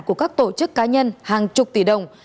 của các tổ chức cá nhân hàng chục tỷ đồng